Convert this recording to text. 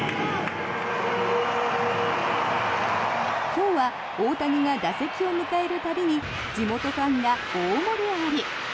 今日は大谷が打席を迎える度に地元ファンが大盛り上がり。